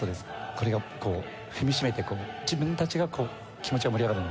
これがこう踏みしめてこう自分たちがこう気持ちが盛り上がる。